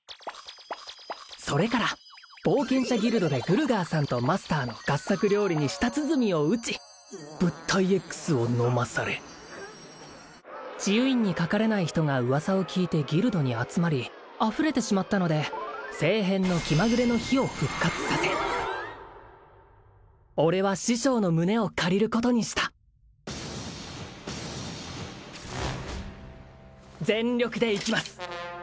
それから冒険者ギルドでグルガーさんとマスターの合作料理に舌鼓を打ち物体Ｘを飲まされ治癒院にかかれない人が噂を聞いてギルドに集まりあふれてしまったので聖変の気まぐれの日を復活させ俺は師匠の胸を借りることにした全力でいきます